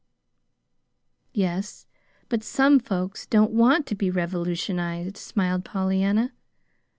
"Yes; but some folks don't want to be revolutionized," smiled Pollyanna.